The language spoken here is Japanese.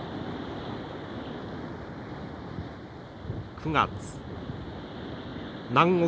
９月南国